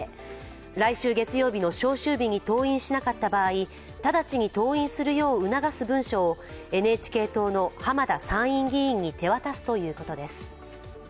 来週月曜日の召集日に登院しなかった場合、直ちに登院するよう促す文書をＮＨＫ党の浜田参院議員に手渡すということです。